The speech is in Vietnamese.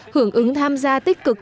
hưởng ứng tham gia tích cực